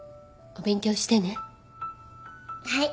はい。